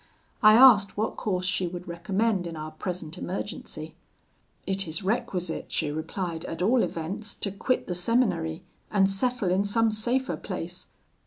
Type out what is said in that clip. I asked what course she would recommend in our present emergency. 'It is requisite,' she replied, 'at all events, to quit the seminary, and settle in some safer place.'